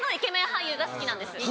俳優が好きなんです。